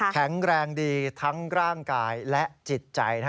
แข็งแรงดีทั้งร่างกายและจิตใจ